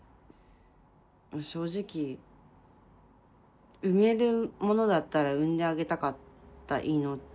正直産めるものだったら産んであげたかった命。